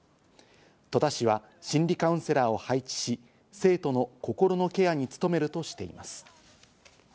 戸田市は心理カウンセラーを配置し、生徒の心のケアに努めるとしています。